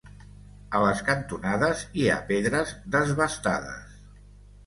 A les cantonades hi ha pedres desbastades.